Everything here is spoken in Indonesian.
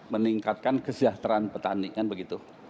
meningkatkan kesejahteraan petani